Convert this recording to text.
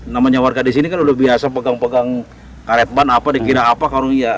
namanya warga di sini kan udah biasa pegang pegang karet ban apa dikira apa karung iya